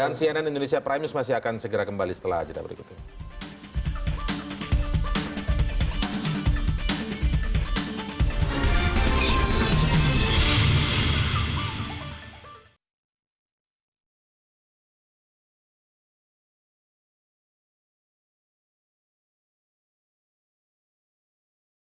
dan cnn indonesia prime news masih akan segera kembali setelah ajadah berikutnya